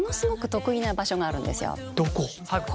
どこ？